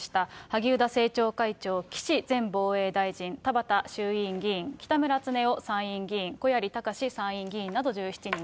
萩生田政調会長、岸前防衛大臣、田畑衆院議員、北村経夫参院議員、小鑓隆史参院議員など１７人。